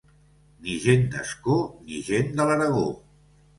Ni gent d'Ascó ni gent de l'Aragó.